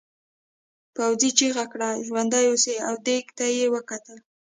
پوځي چیغه کړه ژوندي شئ او دېگ ته یې وکتل.